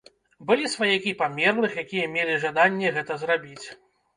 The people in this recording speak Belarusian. Былі сваякі памерлых, якія мелі жаданне гэта зрабіць.